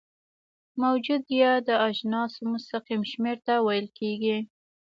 موجودیه د اجناسو مستقیم شمیر ته ویل کیږي.